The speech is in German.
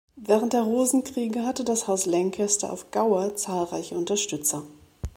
Während der Rosenkriege hatte das Haus Lancaster auf Gower zahlreiche Unterstützer.